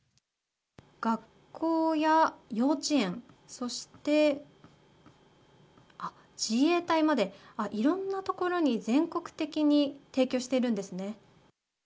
学校や幼稚園そして、自衛隊までいろいろなところに全国的に提供しているんですね。